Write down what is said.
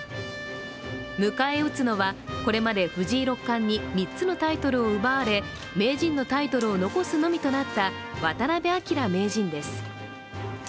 迎え撃つのは、これまで藤井六冠に３つのタイトルを奪われ名人のタイトルを残すのみとなった渡辺明名人です。